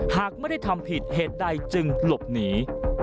หากไม่ได้ทำผิดเหตุใดจึงหลบหนี